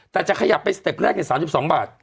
แต่จะขยับไปสเต็ปแรกใน๓๒บาท